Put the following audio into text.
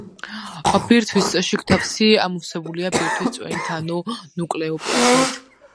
ბირთვის შიგთავსი ამოვსებულია ბირთვის წვენით ანუ ნუკლეოპლაზმით.